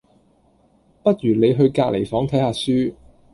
不如你去隔離房睇吓書